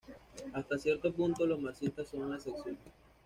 Hasta cierto punto, los marxistas son la excepción.